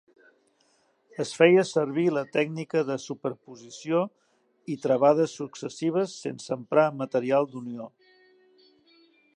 Es feia servir la tècnica de superposició i travades successives sense emprar material d'unió.